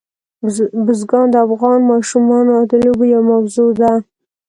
بزګان د افغان ماشومانو د لوبو یوه موضوع ده.